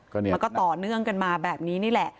มันก็ต่อเนื่องกันมาแบบนี้นี่แหละ